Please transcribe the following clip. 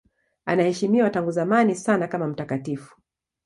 Anaheshimiwa tangu zamani sana kama mtakatifu.